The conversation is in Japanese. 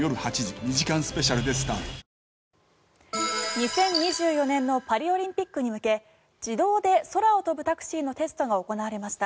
２０２４年のパリオリンピックに向け自動で空を飛ぶタクシーのテストが行われました。